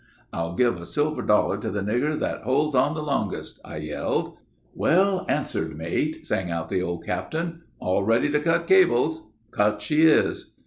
"'I'll give a silver dollar to the nigger that holds on the longest,' I yelled. "'Well answered, mate,' sang out the old captain. '_All ready to cut cables. Cut she is!